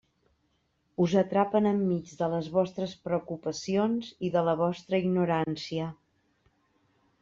Us atrapen enmig de les vostres preocupacions i de la vostra ignorància.